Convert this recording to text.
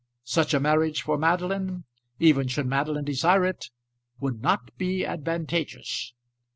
Such a marriage for Madeline, even should Madeline desire it, would not be advantageous.